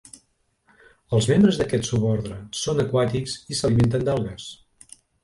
Els membres d'aquest subordre són aquàtics i s'alimenten d'algues.